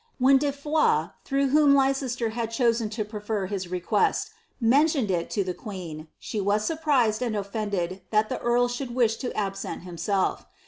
When De Foys, through whom Leicester bad choMa I prefer his request, mentioned it to the queen, she was surprised an ofiended that the earl should wish to absent himself.